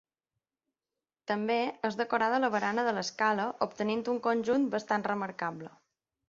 També és decorada la barana de l'escala obtenint un conjunt bastant remarcable.